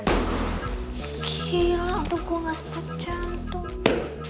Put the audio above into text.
gila tuh gua gak sempet jantung